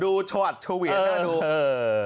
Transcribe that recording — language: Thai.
ดูชาวัดชาวเวียน